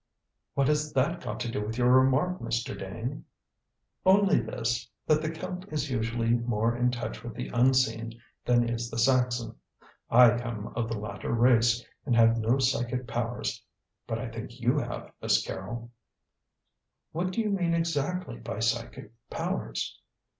"What has that got to do with your remark, Mr. Dane?" "Only this: that the Celt is usually more in touch with the Unseen than is the Saxon. I come of the latter race, and have no psychic powers; but I think you have, Miss Carrol." "What do you mean exactly by psychic powers?"